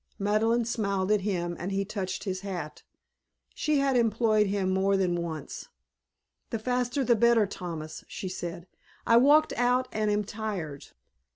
Madeleine smiled at him and he touched his hat. She had employed him more than once. "The faster the better, Thomas," she said. "I walked out and am tired."